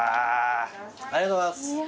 ありがとうございます。